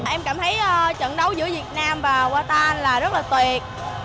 em cảm thấy trận đấu giữa việt nam và qua tà là rất là tuyệt